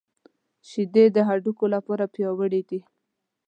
شیدې د هډوکو لپاره پياوړې دي